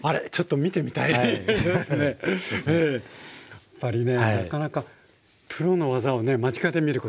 やっぱりねなかなかプロの技をね間近で見ることない。